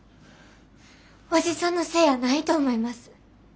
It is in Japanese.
おじさんのせえやないと思います。